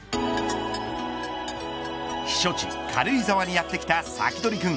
避暑地、軽井沢にやってきたサキドリくん。